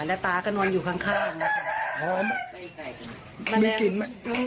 และตาก็นอนอยู่ข้างค่ะ